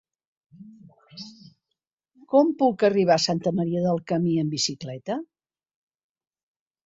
Com puc arribar a Santa Maria del Camí amb bicicleta?